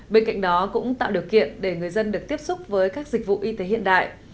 bên cạnh đó cũng tạo điều kiện để người dân được tiếp xúc với các dịch vụ y tế hiện đại